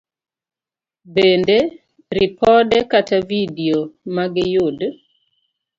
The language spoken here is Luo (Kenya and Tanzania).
Bende, ripode kata vidio ma giyud